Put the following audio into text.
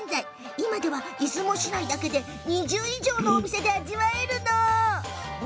今では、出雲市内だけで２０以上のお店で味わえるの。